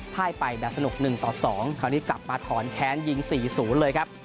ไพ่ไปแบบสนุก๑ต่อ๒คราวนี้กลับมาถอนแค้นยิง๔๐เลยครับ